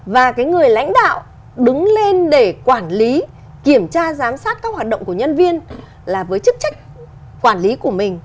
và cái người lãnh đạo đứng lên để quản lý kiểm tra giám sát các hoạt động của nhân viên là với chức trách quản lý của mình